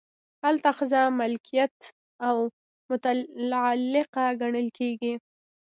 هلته ښځه ملکیت او متعلقه ګڼل کیږي.